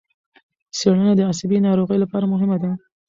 څېړنه د عصبي ناروغیو لپاره مهمه ده.